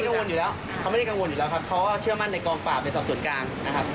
แล้ววันนี้มาเข้าพบผู้จัดการเรื่องไหน